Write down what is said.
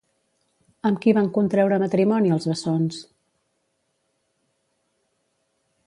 Amb qui van contreure matrimoni els bessons?